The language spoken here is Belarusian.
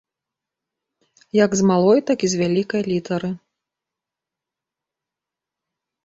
Як з малой, так і з вялікай літары.